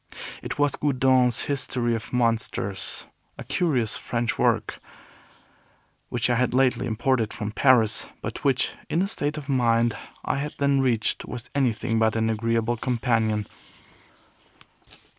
It was Goudon's History of Monsters, a curious French work, which I had lately imported from Paris, but which, in the state of mind I had then reached, was anything but an agreeable companion.